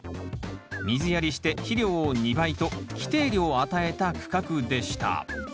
水やりして肥料を２倍と規定量与えた区画でした。